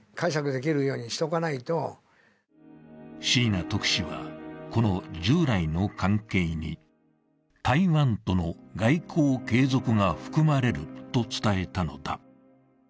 椎名特使は、この従来の関係に台湾との外交継続が含まれると伝えたのだ。